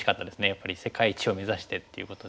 やっぱり世界一を目指してっていうことで。